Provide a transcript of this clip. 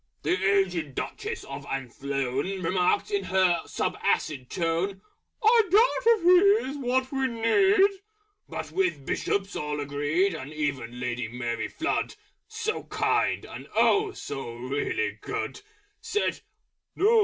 The Aged Duchess of Athlone Remarked, in her sub acid tone, "I doubt if He is what we need!" With which the Bishops all agreed; And even Lady Mary Flood (So Kind, and oh! so really good) Said, "No!